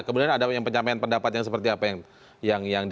kemudian ada penyampaian pendapat yang seperti apa yang